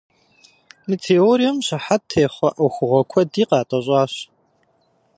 Мы теорием щыхьэт техъуэ ӏуэхугъуэ куэди къатӏэщӏащ.